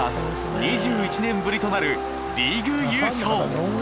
２１年ぶりとなるリーグ優勝！